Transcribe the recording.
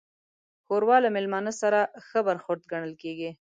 ښوروا له میلمانه سره ښه برخورد ګڼل کېږي.